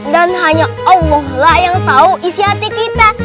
dan hanya allah yang tahu isi hati kita